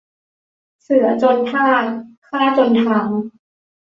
เสือจนท่า ข้าจนทาง